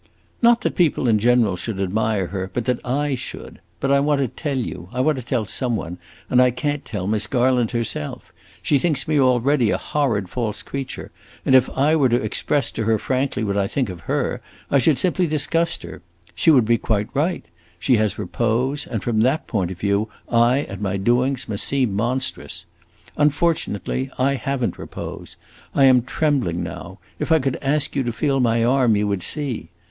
"Not that people in general should admire her, but that I should. But I want to tell you; I want to tell some one, and I can't tell Miss Garland herself. She thinks me already a horrid false creature, and if I were to express to her frankly what I think of her, I should simply disgust her. She would be quite right; she has repose, and from that point of view I and my doings must seem monstrous. Unfortunately, I have n't repose. I am trembling now; if I could ask you to feel my arm, you would see!